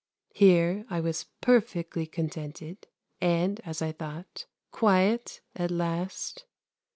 Here I was perfectly contented, and, as I thought, quiet at last.